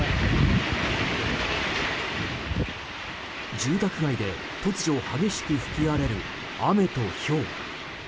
住宅街で突如激しく吹き荒れる雨とひょう。